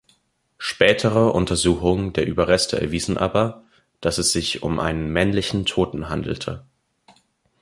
Spätere Untersuchungen der Überreste erwiesen aber, dass es sich um einen männlichen Toten handelte.